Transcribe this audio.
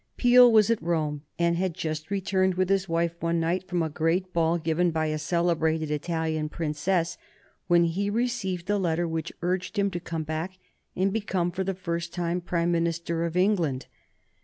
Peel was at Rome, and had just returned with his wife one night from a great ball given by a celebrated Italian Princess, when he received the letter which urged him to come back and become for the first time Prime Minister of England.